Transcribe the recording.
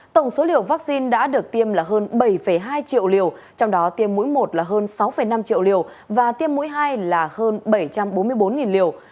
tổng số liều vaccine đã được tiêm là hơn bảy hai triệu liều trong đó tiêm mũi một là hơn sáu năm triệu liều và tiêm mũi hai là hơn bảy trăm bốn mươi bốn liều